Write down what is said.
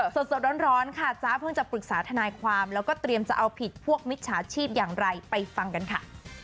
สดร้อนค่ะจ๊ะเพิ่งจะปรึกษาทนายความแล้วก็เตรียมจะเอาผิดพวกมิจฉาชีพอย่างไรไปฟังกันค่ะ